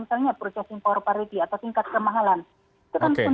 misalnya processing power parity atau tingkat kemahalan